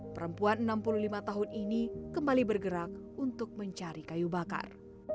perempuan enam puluh lima tahun ini kembali bergerak untuk mencari kayu bakar